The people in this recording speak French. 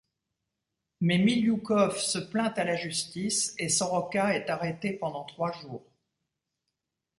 Mais Milioukov se plaint à la justice et Soroka est arrêté pendant trois jours.